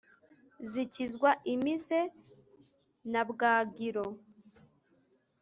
zikizwa imize na bwagiro,